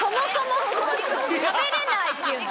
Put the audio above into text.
食べれないって言うの？